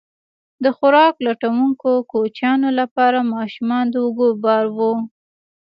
د خوراک لټونکو کوچیانو لپاره ماشومان د اوږو بار وو.